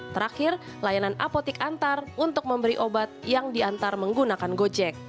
terakhir layanan apotik antar untuk memberi obat yang diantar menggunakan gojek